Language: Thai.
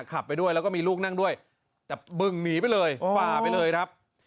ขับไปด้วยแล้วก็มีลูกนั่งด้วยแต่บึงหนีไปเลยฝ่าไปเลยครับ